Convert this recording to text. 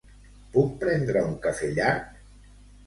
Puc prendre un cafè llarg?